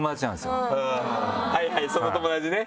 はいはいその友達ね。